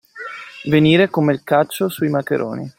Venire come il caccio sui maccheroni.